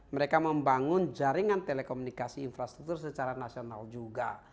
mereka membangun jaringan telekomunikasi infrastruktur secara nasional juga